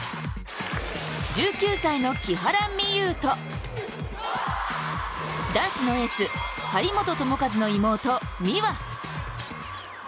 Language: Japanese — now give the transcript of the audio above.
１９歳の木原美悠と男子のエース張本智和の妹・美和。